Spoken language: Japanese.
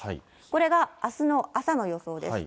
これがあすの朝の予想です。